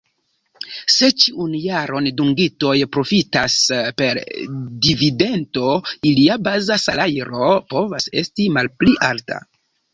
Se ĉiun jaron dungitoj profitas per dividendo, ilia baza salajro povas esti malpli alta.